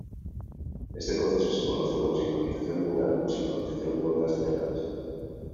Este proceso se conoce como sincronización neuronal o sincronización de ondas cerebrales.